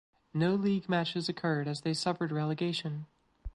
No league matches occurred as they suffered relegation.